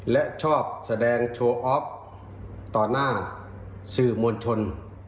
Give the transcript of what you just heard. และชอบแสดงโชว์ออฟต่อหน้าสื่อมวลชน